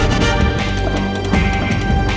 aku harus menolongnya